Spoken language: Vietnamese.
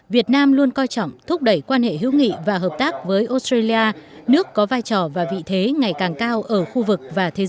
việt nam luôn coi trọng thúc đẩy quan hệ hữu nghị và hợp tác với australia nước có vai trò và vị thế ngày càng cao ở khu vực